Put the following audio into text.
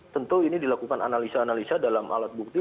tentu ini dilakukan analisa analisa dalam alat bukti